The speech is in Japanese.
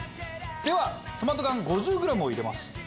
ではトマト缶５０グラムを入れます。